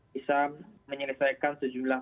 bisa menyelesaikan sejumlah